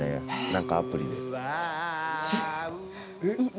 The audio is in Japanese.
なんかアプリで。